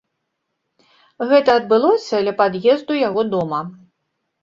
Гэта адбылося ля пад'езду яго дома.